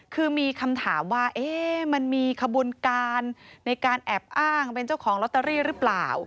คือมีคำถามว่ามันมีขบวนการในการแอบอ้างเป็นเจ้าของลอตเตอรี่หรือเปล่า